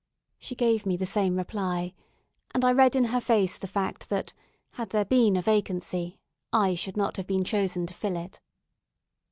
She gave me the same reply, and I read in her face the fact, that had there been a vacancy, I should not have been chosen to fill it.